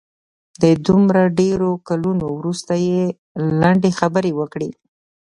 د دومره ډېرو کلونو وروسته یې لنډې خبرې وکړې.